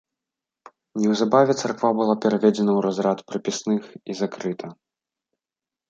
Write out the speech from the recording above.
Неўзабаве царква была пераведзена ў разрад прыпісных і закрыта.